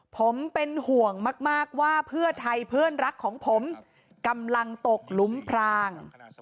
ผมเป็นห่วงมากว่าเพื่อไทยเพื่อนรักของผมกำลังตกหลุมพราง